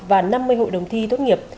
và năm mươi hội đồng thi tốt nghiệp